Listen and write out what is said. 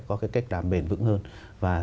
có cái cách làm bền vững hơn và